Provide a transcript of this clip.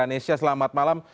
nesya selamat malam